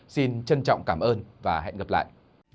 xin trân trọng cảm ơn và hẹn gặp lại